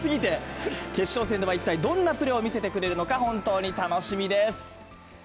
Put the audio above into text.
決勝戦では一体どんなプレーを見せてくれるのか、本当に楽しみです！